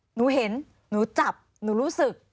หนูเห็นหนูจับหนูรู้สึก